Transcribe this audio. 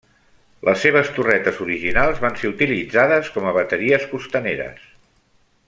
Les seves torretes originals van ser utilitzades com a bateries costaneres.